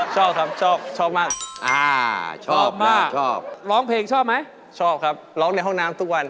ชอบครับชอบชอบมาก